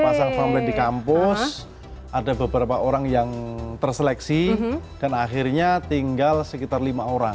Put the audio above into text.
pasang famret di kampus ada beberapa orang yang terseleksi dan akhirnya tinggal sekitar lima orang